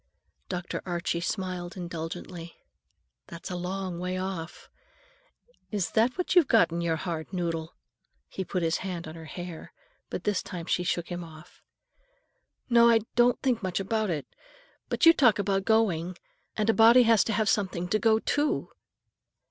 Dr. Archie smiled indulgently. "That's a long way off. Is that what you've got in your hard noddle?" He put his hand on her hair, but this time she shook him off. "No, I don't think much about it. But you talk about going, and a body has to have something to go _to!